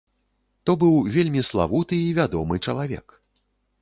То быў вельмі славуты і вядомы чалавек.